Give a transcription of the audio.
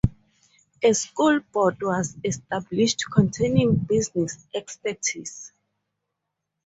A School Board was established containing business expertise.